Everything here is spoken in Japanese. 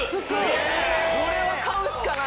これは買うしかない。